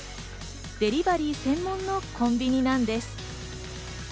デリバリー専門のコンビニなんです。